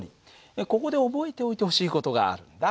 ここで覚えておいてほしい事があるんだ。